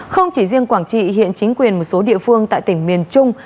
không chỉ riêng quảng trị hiện chính quyền một số địa phương tại tỉnh miền trung